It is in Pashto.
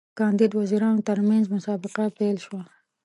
د شپاړسو کاندید وزیرانو ترمنځ مسابقه پیل شوه.